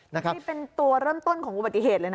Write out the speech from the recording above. นี่เป็นตัวเริ่มต้นของอุบัติเหตุเลยนะ